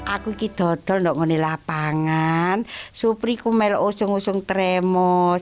aku pergi ke lapangan supriyadi melukis melukis remus